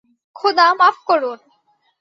খোদা মাফ করুন!